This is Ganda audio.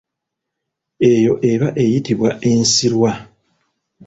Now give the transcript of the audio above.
Eyo eba eyitibwa ensiirwa.